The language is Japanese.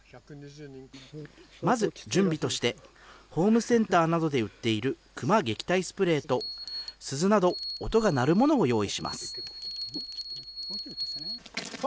まず、準備としてホームセンターなどで売っているクマ撃退スプレーと鈴など音が鳴るものを用意します。